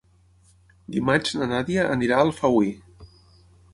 Dimarts na Nàdia anirà a Alfauir.